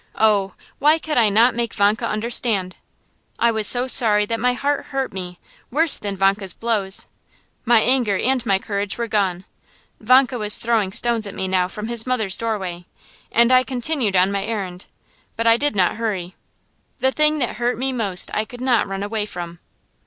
Oh, why could I not make Vanka understand? I was so sorry that my heart hurt me, worse than Vanka's blows. My anger and my courage were gone. Vanka was throwing stones at me now from his mother's doorway, and I continued on my errand, but I did not hurry. The thing that hurt me most I could not run away from.